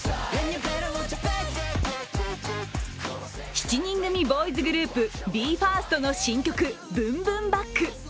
７人組ボーイズグループ、ＢＥ：ＦＩＲＳＴの新曲、「ＢｏｏｍＢｏｏｍＢａｃｋ」。